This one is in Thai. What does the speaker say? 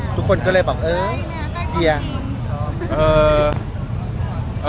ทุกคนก็เลยเชียร์